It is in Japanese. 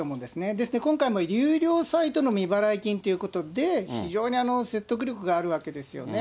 ですので、今回も有料サイトの未払い金ということで、非常に説得力があるわけですよね。